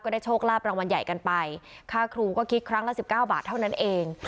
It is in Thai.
ได้โชคลาภรางวัลใหญ่กันไปค่าครูก็คิดครั้งละ๑๙บาทเท่านั้นเอง